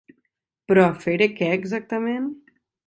Però a fer-hi què exactament?